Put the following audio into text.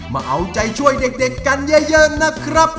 มาเอาใจช่วยเด็กกันเยอะนะครับ